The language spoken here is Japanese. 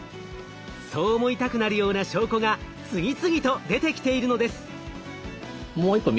そう思いたくなるような証拠が次々と出てきているのです。